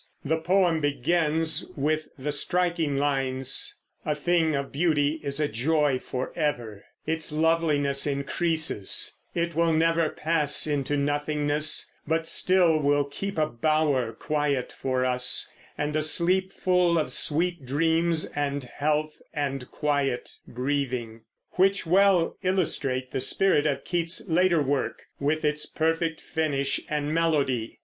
The poem begins with the striking lines: A thing of beauty is a joy forever; Its loveliness increases; it will never Pass into nothingness; but still will keep A bower quiet for us; and a sleep Full of sweet dreams, and health, and quiet breathing, which well illustrate the spirit of Keats's later work, with its perfect finish and melody.